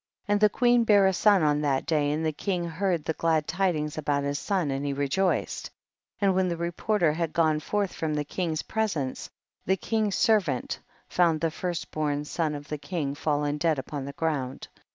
65. And the queen bare a son on that day and the king heard the glad tidings about his son, and he rejoiced, and when the reporter had gone forth from the king's presence, the king's servants found the first born son of the king fallen dead upon the ground.